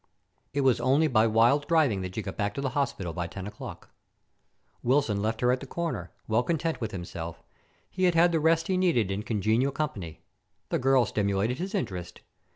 It was only by wild driving that she got back to the hospital by ten o'clock. Wilson left her at the corner, well content with himself. He had had the rest he needed in congenial company. The girl stimulated his interest.